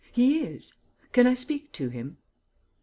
"He is." "Can I speak to him?"